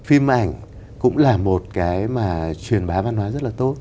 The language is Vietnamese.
phim ảnh cũng là một cái mà truyền bá văn hóa rất là tốt